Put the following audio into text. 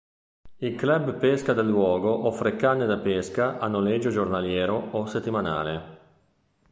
Il club pesca del luogo offre canne da pesca a noleggio giornaliero o settimanale.